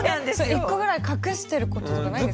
１個ぐらい隠してることとかないんですか？